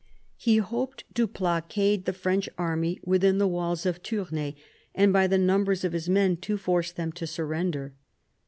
He hoped to blockade the French army within the walls of Tournai, and by the numbers of his men to force them to surrender.